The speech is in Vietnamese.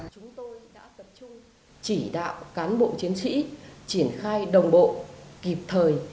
chúng tôi đã tập trung chỉ đạo cán bộ chiến sĩ triển khai đồng bộ kịp thời